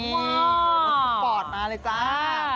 พอดมาเลยจ้า